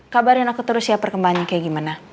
kabarin aku terus ya perkembangannya kayak gimana